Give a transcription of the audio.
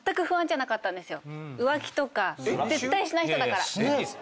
浮気とか絶対しない人だから。しないですよ。